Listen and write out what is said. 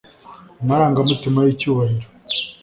Amarangamutima yicyubahiro